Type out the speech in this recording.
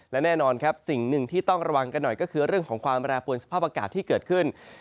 และแน่นอนครับสิ่งหนึ่งที่ต้องระวังกันหน่อยก็คือเรื่องของความแปรปวนสภาพอากาศที่เกิดขึ้น